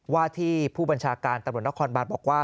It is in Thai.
ว่าที่ผู้บัญชาการตำรวจนครบานบอกว่า